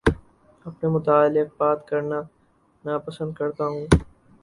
اپنے متعلق بات کرنا نا پسند کرتا ہوں